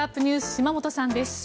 島本さんです。